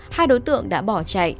hai đối tượng đã bỏ chạy